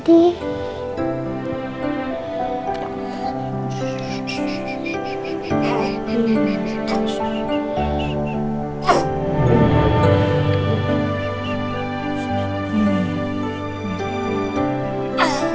di rumah saya